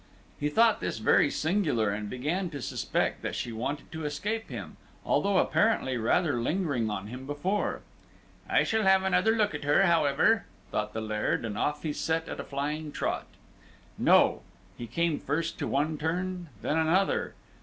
He thought this very singular, and began to suspect that she wanted to escape him, although apparently rather lingering on him before. "I shall have another look at her, however," thought the Laird, and off he set at a flying trot. No. He came first to one turn, then another.